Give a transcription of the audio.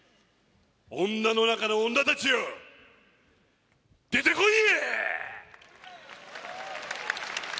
女の中の女たちよ出てこいや！